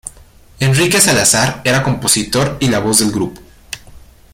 Enrique Salazar era compositor y la voz del grupo.